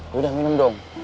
yaudah minum dong